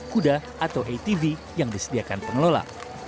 kuda atau atv yang disediakan pengelola